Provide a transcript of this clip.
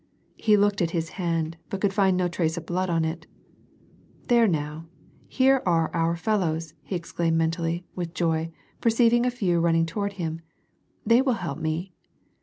He looked at his hand, but could find no trace of blood on it. " There now, here are our fel lows," he exclaimed mentally, with joy, perceiving a few run ning toward him. They will help me."